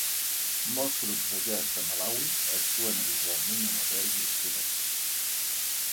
Molts grups de jazz de Malawi actuen habitualment en hotels i discoteques.